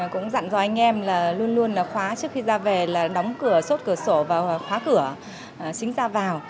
cũng dặn do anh em là luôn luôn là khóa trước khi ra về là đóng cửa chốt cửa sổ và khóa cửa xính ra vào